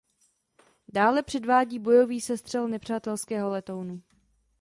Dále předvádí bojový sestřel nepřátelského letounu.